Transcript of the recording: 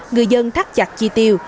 người dân thắt chặt chi tiêu